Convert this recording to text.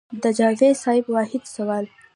د جاوېد صېب واحد سوال